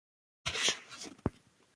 وروسته خواړه یخچال ته واچوئ.